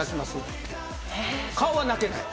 顔は泣けない？